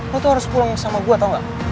lo tuh harus pulang sama gue tau gak